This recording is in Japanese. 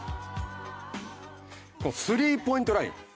この３ポイントライン